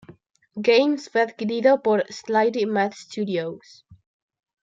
Games fue adquirido por Slightly Mad Studios.